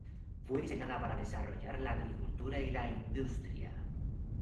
Fue diseñada para desarrollar la agricultura y la industria.